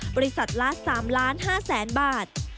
บริษัทละ๓๕๐๐๐๐บาท